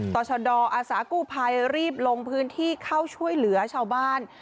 ต่อชะดออาสากู้ภัยรีบลงพื้นที่เข้าช่วยเหลือชาวบ้าน